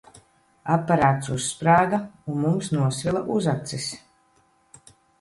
Aparāts uzsprāga, un mums nosvila uzacis.